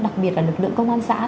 đặc biệt là lực lượng công an xã